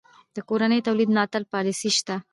د کورني تولید ملاتړ پالیسي شته؟